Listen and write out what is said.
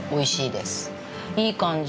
いい感じ。